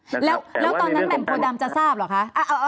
แล้วตอนนั้นแหม่มโพดำจะทราบเหรอคะ